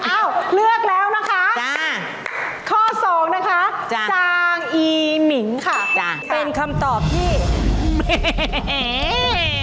อ้าวเลือกแล้วนะคะข้อ๒นะคะจางอีหมิงค่ะเป็นคำตอบที่แม่